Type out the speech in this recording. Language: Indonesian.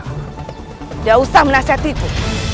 nggak usah menasihatiku